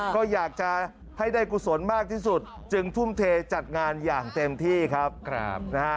ก็อยากจะให้ได้กุศลมากที่สุดจึงทุ่มเทจัดงานอย่างเต็มที่ครับนะฮะ